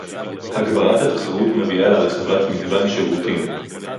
הגברת התחרות מביאה להרחבת מגוון שירותים